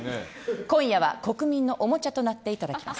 今夜は、国民のおもちゃとなっていただきます。